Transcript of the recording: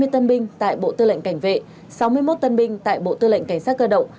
hai mươi tân binh tại bộ tư lệnh cảnh vệ sáu mươi một tân binh tại bộ tư lệnh cảnh sát cơ động